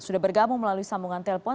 sudah bergabung melalui sambungan telpon